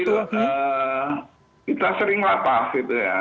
itu awas kata injury mindy owio tentang delapan